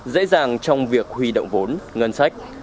dễ dàng trong việc huy động vốn ngân sách